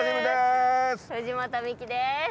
藤本美貴です。